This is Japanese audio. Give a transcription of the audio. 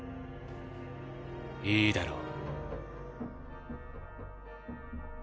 いいだろう。